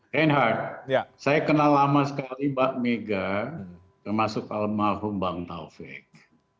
reinhardt saya kenal lama sekali mbak mega termasuk almarhum bang taufik